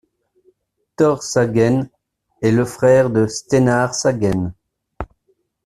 Tore Sagen est le frère de Steinar Sagen.